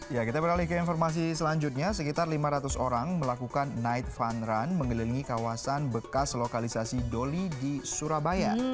ya kita beralih ke informasi selanjutnya sekitar lima ratus orang melakukan night fun run mengelilingi kawasan bekas lokalisasi doli di surabaya